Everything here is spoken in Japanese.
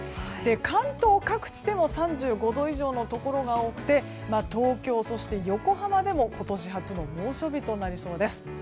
関東各地でも３５度以上のところが多くて東京、そして横浜でも今年初の猛暑日となりそうです。